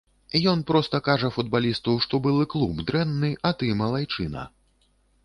Ён проста кажа футбалісту, што былы клуб дрэнны, а ты малайчына.